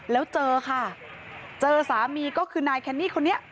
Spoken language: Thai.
แล้วเจอค่ะเจอสามีก็คือนายแคนนี่คนนี้